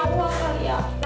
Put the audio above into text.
bukan roti buaya